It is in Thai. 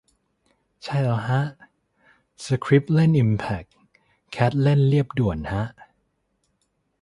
ใช่แล้วฮะ สคริปเล่นอิมแพค แคทเล่นเลียบด่วนฮะ